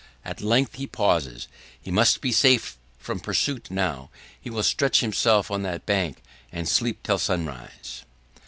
At length he pauses; he must be safe from pursuit now; he will stretch himself on that bank and sleep till sunrise.